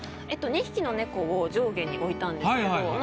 ２匹の猫を上下に置いたんですけどま